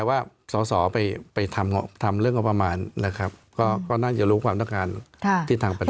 เขาสอไปทำเรื่องกระปำหมานนะครับก็น่าจะรู้ความต้องการที่ทางประเทศ